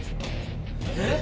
えっ？